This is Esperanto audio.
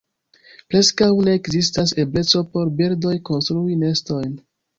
Preskaŭ ne ekzistas ebleco por birdoj konstrui nestojn.